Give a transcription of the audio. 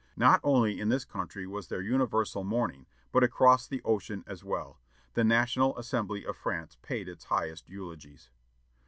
Not only in this country was there universal mourning, but across the ocean as well. The National Assembly of France paid its highest eulogies.